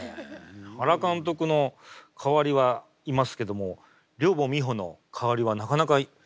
原監督の代わりはいますけども寮母美穂の代わりはなかなかいませんからね。